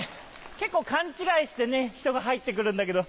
結構勘違いして人が入って来るんだけど。